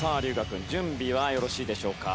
君準備はよろしいでしょうか？